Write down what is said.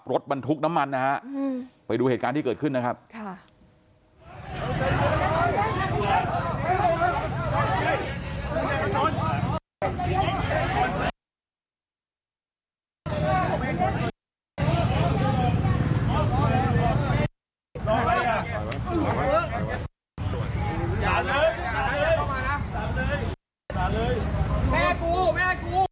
รถบรรทุกน้ำมันนะฮะไปดูเหตุการณ์ที่เกิดขึ้นนะครับ